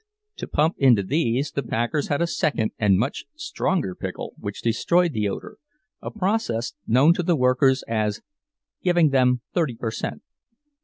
To pump into these the packers had a second and much stronger pickle which destroyed the odor—a process known to the workers as "giving them thirty per cent."